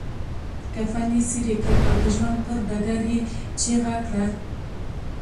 کفن يې څيري کړ او د ژوند پر ډګر يې چيغه کړه.